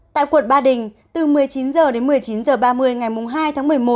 tại quận ba đình từ một mươi chín h đến một mươi chín h ba mươi ngày hai tháng một mươi một